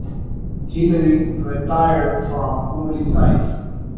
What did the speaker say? Hillery retired from public life.